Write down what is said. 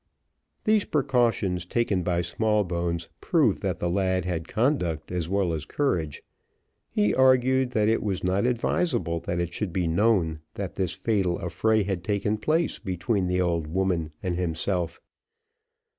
These precautions taken by Smallbones, proved that the lad had conduct as well as courage. He argued that it was not advisable that it should be known that this fatal affray had taken place between the old woman and himself.